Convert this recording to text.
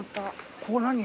ここ何よ。